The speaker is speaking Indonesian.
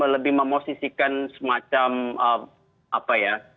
lebih memosisikan semacam apa ya